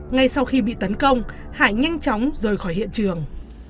ngay sau khi bị tấn công hải nhanh chóng rời khỏi hiện trường